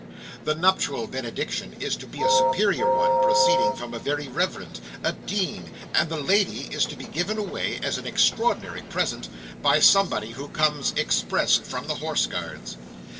The nuptial benediction is to be a superior one, proceeding from a very reverend, a dean, and the lady is to be given away, as an extraordinary present, by somebody who comes express from the Horse Guards.